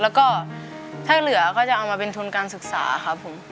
แล้วก็ถ้าเหลือก็จะเอามาเป็นทุนการศึกษาครับผม